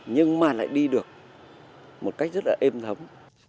nhưng mà lại đi được một cách rất là êm thống